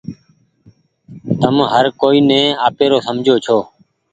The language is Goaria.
تم هر ڪوئي ني آپيرو سمجهو ڇو۔